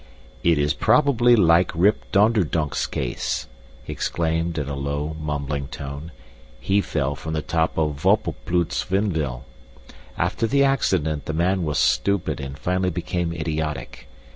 "It is probably like Rip Donderdunck's case," he exclaimed in a low, mumbling tone. "He fell from the top of Voppelploot's windmill. After the accident the man was stupid and finally became idiotic.